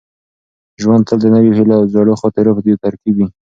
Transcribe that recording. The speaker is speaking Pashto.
ژوند تل د نویو هیلو او زړو خاطرو یو ترکیب وي.